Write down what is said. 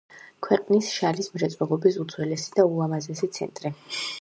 ქვეყნის შალის მრეწველობის უძველესი და ულამაზესი ცენტრი.